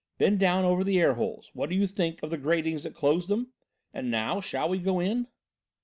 Bend down over the air holes; what do you think of the gratings that close them? And, now, shall we go in?"